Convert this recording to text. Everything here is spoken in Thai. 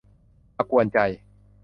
มากวนใจ